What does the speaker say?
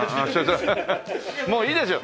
もういいですよ。